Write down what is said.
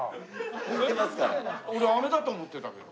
俺飴だと思ってたけど。